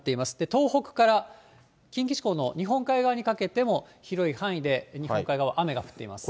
東北から近畿地方の日本海側にかけても、広い範囲で日本海側、雨が降っています。